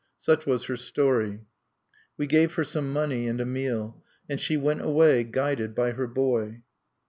Such was her story. We gave her some money and a meal; and she went away, guided by her boy.